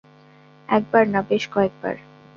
একবার না, বেশ কয়েক বার।